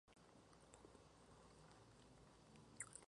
Marco un nuevo gol frente al Deportivo Cuenca, nuevamente de cabeza.